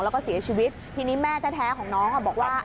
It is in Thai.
แล้วก็เสียชีวิตทีนี้แม่แท้ของน้องบอกว่า